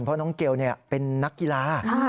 เพราะน้องเกลเป็นนักกีฬา